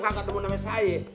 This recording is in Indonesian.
kakak temen temen saya